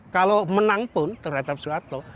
kalau menang pun terhadap soeharto